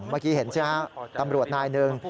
เมื่อกี้เห็นใช่ไหมฮะตำรวจนายหนึ่ง